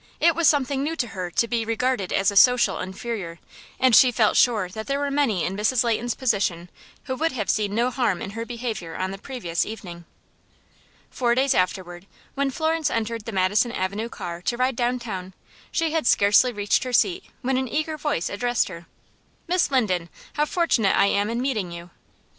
It was something new to her to be regarded as a social inferior, and she felt sure that there were many in Mrs. Leighton's position who would have seen no harm in her behavior on the previous evening. Four days afterward, when Florence entered the Madison Avenue car to ride downtown, she had scarcely reached her seat when an eager voice addressed her: "Miss Linden, how fortunate I am in meeting you!"